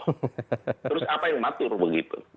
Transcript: terus apa yang mengatur begitu